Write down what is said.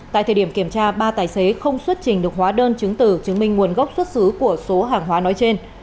tại thời điểm kiểm tra ba tài xế không xuất trình được hóa đơn chứng từ chứng minh nguồn gốc xuất xứ của số hàng hóa nói trên